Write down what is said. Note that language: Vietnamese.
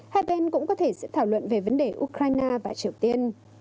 hai bên cũng có thể sẽ thảo luận về vấn đề ukraine và triều tiên